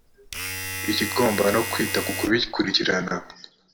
ikigomba no kwita ku kubikurikirana